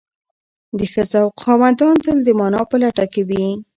د ښه ذوق خاوندان تل د مانا په لټه کې وي.